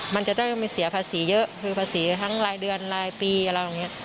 มันจะได้ไม่เสียภาษีเยอะคือภาษีทั้งรายเดือนรายปีอะไรอย่างนี้